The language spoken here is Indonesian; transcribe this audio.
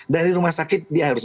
dari rumah sakit dia harus